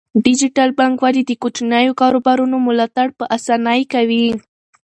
ډیجیټل بانکوالي د کوچنیو کاروبارونو ملاتړ په اسانۍ کوي.